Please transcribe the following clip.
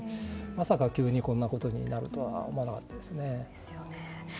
まさか急にこんなことになるとは思わなかったですね。